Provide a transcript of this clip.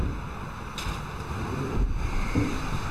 Ẓidet.